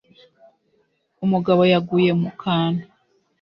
Umugabo yaguye mu kantu